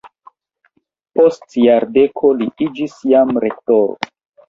Post jardeko li iĝis jam rektoro.